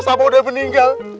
pas abah udah meninggal